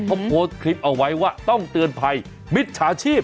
เขาโพสต์คลิปเอาไว้ว่าต้องเตือนภัยมิจฉาชีพ